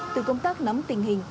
từ công tác nắm tình hình